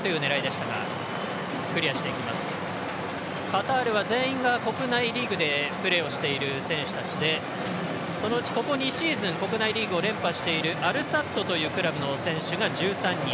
カタールは全員が国内リーグでプレーをしている選手たちでそのうちここ２シーズン国内リーグを制覇しているアルサッドというクラブの選手が１３人。